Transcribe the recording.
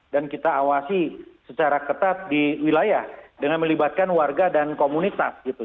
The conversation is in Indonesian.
dan kita awasi secara ketat di wilayah dengan melibatkan warga dan komunitas gitu